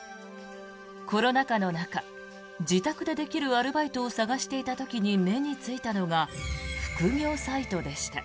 コロナ禍の中、自宅でできるアルバイトを探していた時に目についたのが副業サイトでした。